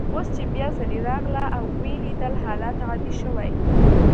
اوس چي بیا ځلې راغله او ویې لیدل، حالات عادي شوي.